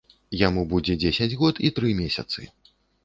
Яму будзе дзесяць год і тры месяцы.